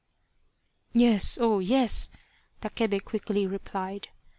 " Yes, oh, yes !" Takebe quickly replied.